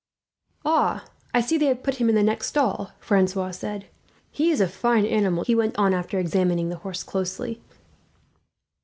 "Ah, I see they have put him in the next stall," Francois said. "He is a fine animal, too," he went on, after examining the horse closely.